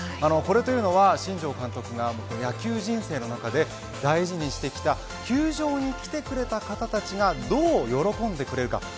これは新庄監督が野球人生の中で大事にしてきた球場に来てくれた方たちがどう喜んでくれるか。